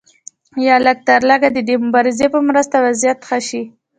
یا لږترلږه د دې مبارزې په مرسته وضعیت ښه شي.